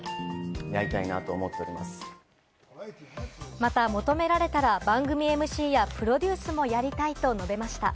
また求められたら、番組ＭＣやプロデュースもやりたいと述べました。